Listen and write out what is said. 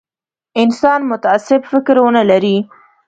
انسان متعصب فکر ونه لري.